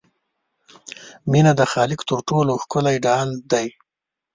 مینه د خالق تر ټولو ښکلی ډال دی.